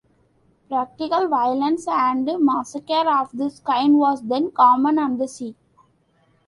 Piratical violence and massacre of this kind was then common on the sea.